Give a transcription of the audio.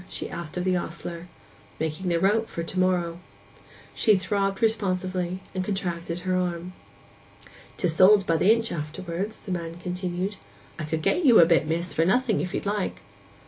she asked of the ostler. 'Making the rope for to morrow.' She throbbed responsively, and contracted her arm. ''Tis sold by the inch afterwards,' the man continued. 'I could get you a bit, miss, for nothing, if you'd like?